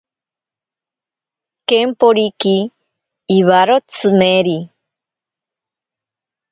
Kemporiki iwaro tsimeri.